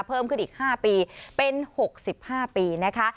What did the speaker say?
เพิ่มขึ้นอีกห้าปีเป็นหกสิบห้าปีนะคะ